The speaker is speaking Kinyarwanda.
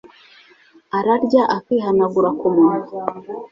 ararya akihanagura ku munwa